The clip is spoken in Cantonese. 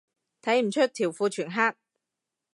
睇唔出，條褲全黑